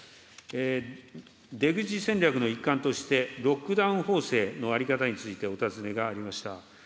出口戦略の一環として、ロックダウン法制の在り方について、お尋ねがありました。